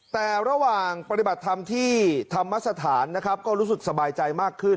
แต่ระหว่างปฏิบัติธรรมที่ธรรมสถานนะครับก็รู้สึกสบายใจมากขึ้น